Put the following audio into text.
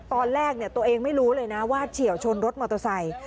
ตอนแรกตัวเองไม่รู้เลยนะว่าเฉียวชนรถมอเตอร์ไซค์